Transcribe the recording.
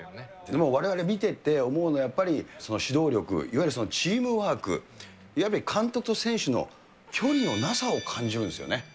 もうわれわれ見てて、思うのは、やっぱり指導力、いわゆるチームワーク、やっぱり監督と選手の距離のなさを感じるんですよね。